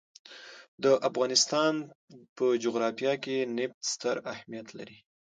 د افغانستان جغرافیه کې نفت ستر اهمیت لري.